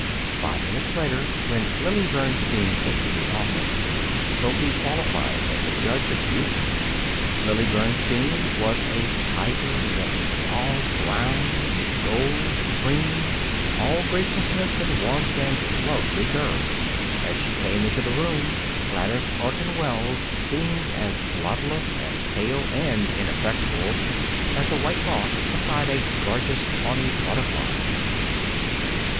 Five minutes later, when Lily Bernstein entered the office, Sophy qualified as a judge of beauty. Lily Bernstein was a tiger lily all browns and golds and creams, all graciousness and warmth and lovely curves. As she came into the room, Gladys Orton Wells seemed as bloodless and pale and ineffectual as a white moth beside a gorgeous tawny butterfly.